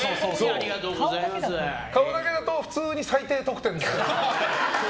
顔だけだと普通に最低得点ですけど。